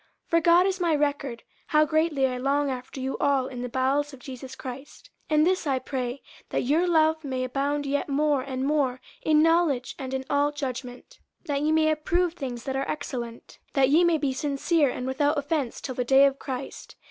50:001:008 For God is my record, how greatly I long after you all in the bowels of Jesus Christ. 50:001:009 And this I pray, that your love may abound yet more and more in knowledge and in all judgment; 50:001:010 That ye may approve things that are excellent; that ye may be sincere and without offence till the day of Christ.